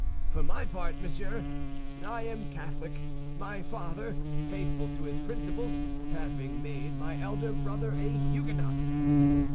For my part, monsieur, I am Catholic—my father, faithful to his principles, having made my elder brother a Huguenot."